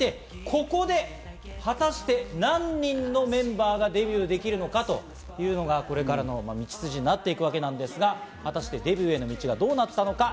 ここで果たして何人のメンバーがデビューできるのかというのがこれからの道筋になっていくわけですが、果たしてデビューへの道はどうなったのか？